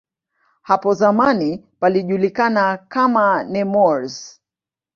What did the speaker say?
Hapo zamani palijulikana kama "Nemours".